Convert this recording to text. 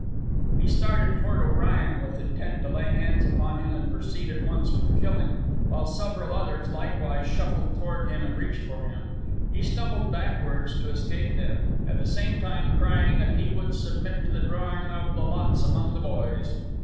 He started toward O'Brien, with intent to lay hands on him and proceed at once with the killing, while several others likewise shuffled toward him and reached for him. He stumbled backwards to escape them, at the same time crying that he would submit to the drawing of the lots among the boys.